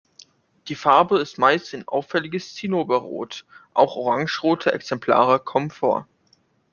Die Farbe ist meist ein auffälliges Zinnoberrot, auch orangerote Exemplare kommen vor.